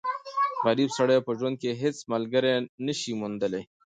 غریب سړی په ژوند کښي هيڅ ملګری نه سي موندلای.